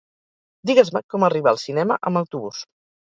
Digues-me com arribar al cinema amb autobús.